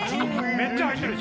めっちゃ入ってる